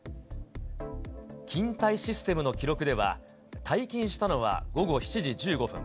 勤怠システムの記録では、退勤したのは午後７時１５分。